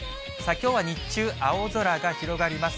きょうは日中、青空が広がります。